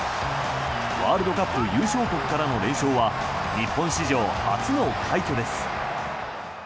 ワールドカップ優勝国からの連勝は日本史上初の快挙です。